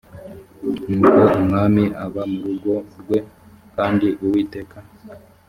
nuko umwami aba mu rugo rwe kandi uwiteka